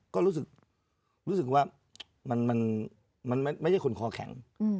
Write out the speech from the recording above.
ก็รู้สึกว่ามันไม่ใช่คนคอแข็ง